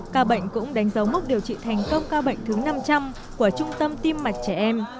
ca bệnh cũng đánh dấu mốc điều trị thành công ca bệnh thứ năm trăm linh của trung tâm tim mạch trẻ em